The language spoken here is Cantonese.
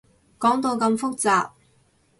講到咁複雜